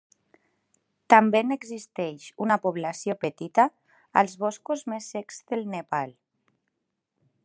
També n'existeix una població petita als boscos més secs del Nepal.